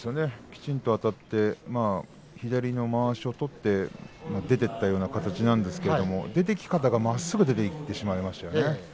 きちんとあたって左のまわしを取って出ていったような形なんですけれど出ていき方がまっすぐに出ていってしまいましたよね。